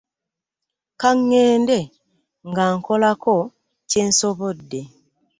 Ka ŋŋende nga nkolako kye nsobodde.